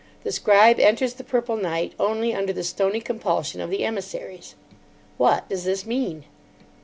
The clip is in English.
The scribe enters the purple night only under the stony compulsion of the emissaries. What does this mean?